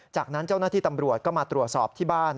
จากนั้นเจ้าหน้าที่ตำรวจก็มาตรวจสอบที่บ้าน